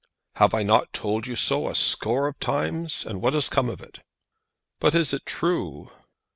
"Have I not told you so a score of times; and what has come of it?" "But is it true?"